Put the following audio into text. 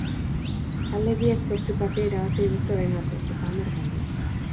Talde biek zortzi partida irabazi dituzte orain arte, eta hamar galdu.